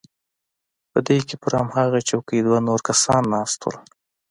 په دې کښې پر هماغه چوکۍ دوه نور کسان ناست وو.